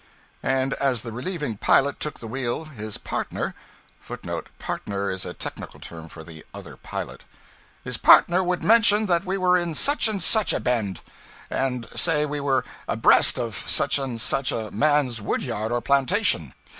And as the relieving pilot took the wheel his partner {footnote ['Partner' is a technical term for 'the other pilot'.]} would mention that we were in such and such a bend, and say we were abreast of such and such a man's wood yard or plantation.